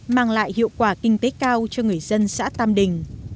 mang lại hiệu quả kinh tế cao cho người dân xã tam đình